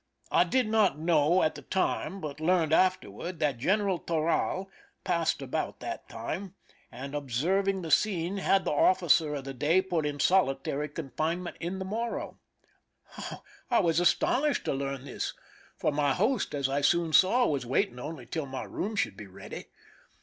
I did not know at the time, but learned afterward, that G eneral Toral passed about that time, and observing the scene, had the officer of the day put in solitary confine ment in the Morro. I was astonished to learn this, 221 THE SINKING OF THE "MEERIMAC" for my host, as I soon saw, was waiting only till my room should be ready.